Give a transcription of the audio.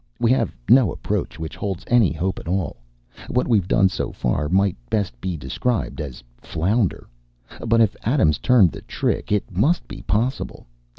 We have no approach which holds any hope at all. What we've done so far, you might best describe as flounder. But if Adams turned the trick, it must be possible.